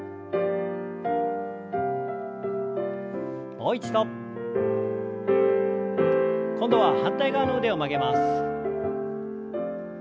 もう一度。今度は反対側の腕を曲げます。